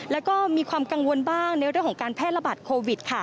แล้วก็มีความกังวลบ้างในเรื่องของการแพร่ระบาดโควิด